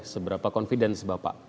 seberapa confidence bapak